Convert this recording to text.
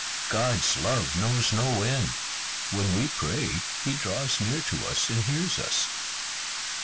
God's love knows no end. When we pray, He draws near to us and hears us."